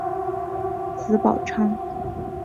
子宝昌。